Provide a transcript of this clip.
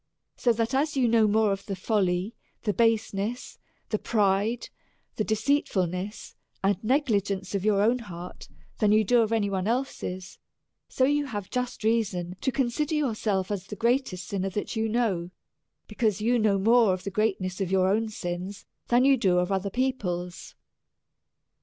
So that as you know more of the fol ly, the baseness, the pride, the deceitfulness, and neg ligence of your own heart, than you do of any one's else, so you have just reason to consider yourself as the greatest sinner that you know : Because you know more of the greatness of your own sins, than you do of other people's.